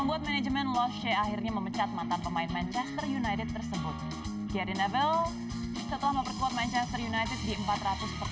membuat manajemen loche akhirnya memecat mata pemain manchester united tersebut